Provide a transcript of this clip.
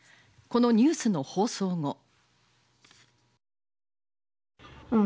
このニュースの放送後。